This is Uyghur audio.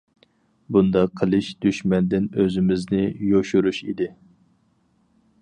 بۇنداق قىلىش دۈشمەندىن ئۆزىمىزنى يوشۇرۇش ئىدى.